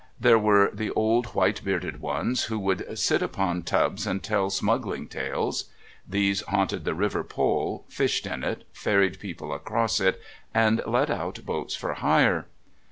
There were the old white bearded ones who would sit upon tubs and tell smuggling tales; these haunted the River Pol, fished in it, ferried people across it, and let out boats for hire.